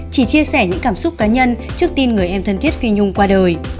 chỉ chia sẻ những cảm xúc cá nhân trước tin người em thân thiết phi nhung qua đời